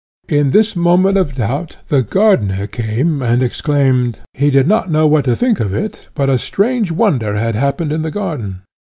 In this moment of doubt, the gardener came and exclaimed, "He did not know what to think of it, but a strange wonder had happened in the garden.